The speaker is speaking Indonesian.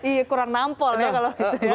iya kurang nampol ya kalau gitu ya